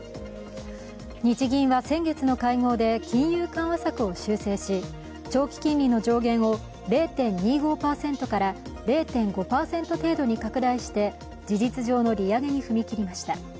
日銀は先月の会合で金融緩和策を修正し長期金利の上限を０．２５％から０．５％程度に拡大して事実上の利上げに踏み切りました。